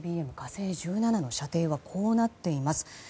「火星１７」の射程はこうなっています。